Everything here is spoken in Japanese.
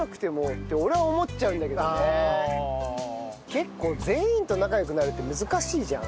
結構全員と仲良くなるって難しいじゃん。